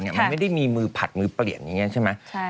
มันไม่ได้มีมือผัดมือเปลี่ยนอย่างนี้ใช่ไหม